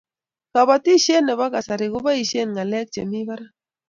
kabatishiet nebo kasari kobaishen ngalek chemi barak